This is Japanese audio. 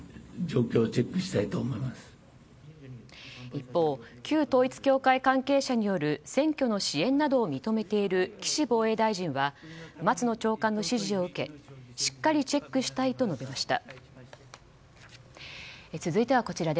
一方、旧統一教会関係者による選挙の支援などを認めている岸防衛大臣は松野長官の指示を受けしっかりチェックしたいと述べました。